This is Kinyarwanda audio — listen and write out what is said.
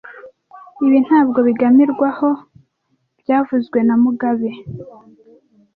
Ibi ntabwo biganirwaho byavuzwe na mugabe